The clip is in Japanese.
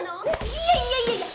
いやいやいやいや。